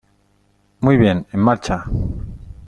¡ Muy bien, en marcha!